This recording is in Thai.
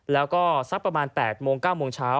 แล้วก็สักประมาณ๘โมง๙โมงเช้า